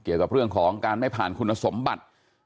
เกี่ยวกับเรื่องของการไม่ผ่านคุณสมบัติ